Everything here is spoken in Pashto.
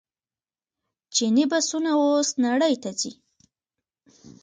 چیني بسونه اوس نړۍ ته ځي.